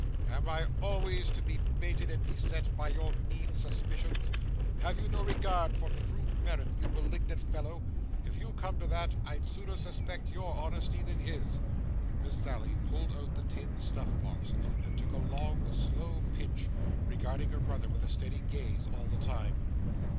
Am I always to be baited, and beset, by your mean suspicions? Have you no regard for true merit, you malignant fellow? If you come to that, I'd sooner suspect your honesty than his.' Miss Sally pulled out the tin snuff box, and took a long, slow pinch, regarding her brother with a steady gaze all the time.